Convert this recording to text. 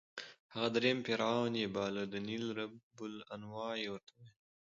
هغه درېیم فرعون یې باله، د نېل رب النوع یې ورته ویل.